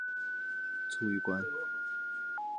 卒于官。